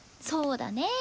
そうだね。